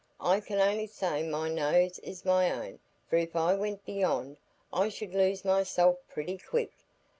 I can only say my nose is my own, for if I went beyond, I should lose myself pretty quick.